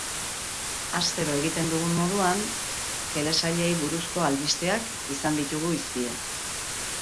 Astero egiten dugun moduan, telesailei buruzko albisteak izan ditugu hizpide.